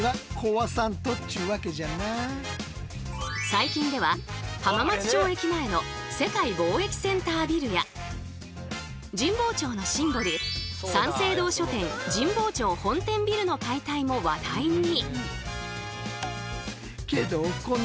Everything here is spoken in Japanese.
最近では浜松町駅前の世界貿易センタービルや神保町のシンボル三省堂書店神保町本店ビルの解体も話題に！